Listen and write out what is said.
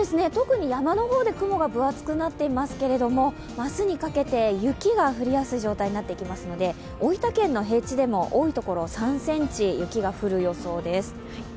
特に山の方で雲が分厚くなっていますけども、明日にかけて雪が降り出す状況になってきますので大分県の平地でも多いところ３ｃｍ、雪が降る予想です。